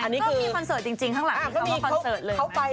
นี่ก็มีคอนเสิร์ตจริงข้างหลังนี้เขาก็คอนเสิร์ตเลย